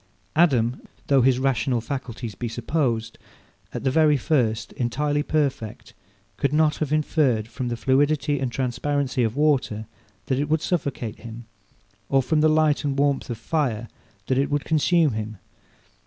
Adam, though his rational faculties be supposed, at the very first, entirely perfect, could not have inferred from the fluidity and transparency of water that it would suffocate him, or from the light and warmth of fire that it would consume him.